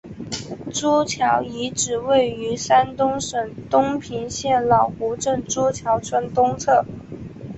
朱桥遗址位于山东省东平县老湖镇朱桥村东侧。